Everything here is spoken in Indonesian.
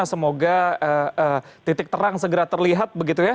semoga titik terang segera terlihat begitu ya